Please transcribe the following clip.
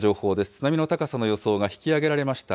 津波の高さの予想が引き上げられました。